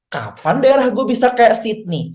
kapan daerah gue bisa kayak sydney